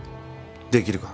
できるか？